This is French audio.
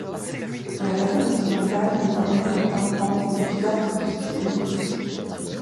La façade occidentale est ornée d'un tympan et de pilastres de style dorique.